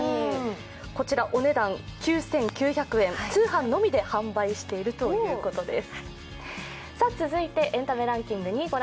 こちらお値段９９００円、通販のみで販売しているということです。